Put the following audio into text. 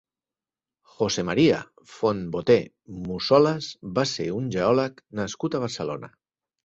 José María Fontboté Mussolas va ser un geòleg nascut a Barcelona.